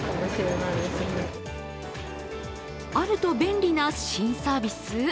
あると便利な新サービス。